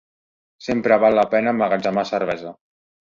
Sempre val la pena emmagatzemar cervesa.